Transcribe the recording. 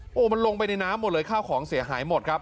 โอ้โหมันลงไปในน้ำหมดเลยข้าวของเสียหายหมดครับ